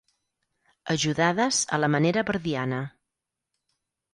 Ajudades a la manera verdiana.